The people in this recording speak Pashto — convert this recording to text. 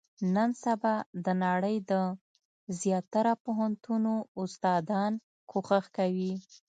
نن سبا، د نړۍ د زیاتره پوهنتونو استادان، کوښښ کوي.